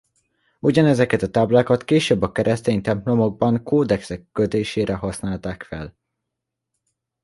Ugyanezeket a táblákat később a keresztény templomokban kódexek kötésére használták fel.